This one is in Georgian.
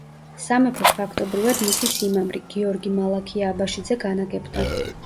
სამეფოს ფაქტობრივად მისი სიმამრი გიორგი-მალაქია აბაშიძე განაგებდა.